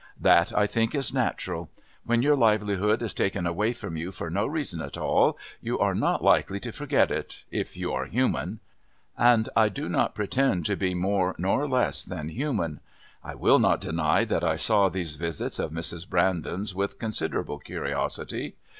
That, I think, is natural. When your livelihood is taken away from you for no reason at all, you are not likely to forget it if you are human. And I do not pretend to be more nor less than human. I will not deny that I saw these visits of Mrs. Brandon's with considerable curiosity.